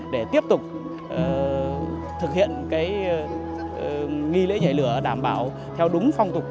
để tiếp tục thực hiện